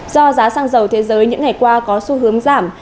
do giá xăng dầu thế giới những ngày qua có xu hướng giảm